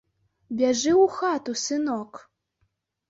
Бяжы ў хату, сынок.